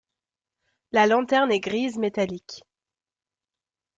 La lanterne est grise métallique.